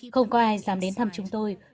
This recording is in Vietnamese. không có ai dám đến thăm chúng tôi